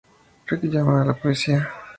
Ricky llama a la policía.